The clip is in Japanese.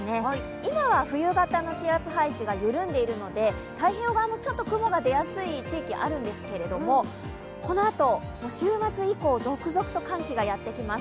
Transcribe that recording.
今は冬型の気圧配置が緩んでいるので太平洋側もちょっと雲が出やすい地域があるんですけれども、このあと週末以降、続々と寒気がやってきます。